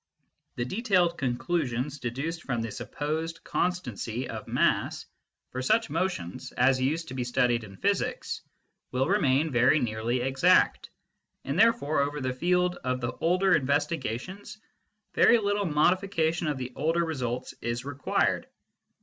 The detailed conclusions deduced from the supposed constancy of mass for such motions as used to be studied in physics will remain very nearly exact, and therefore over the field of the older investigations very little modi fication of the older results is required.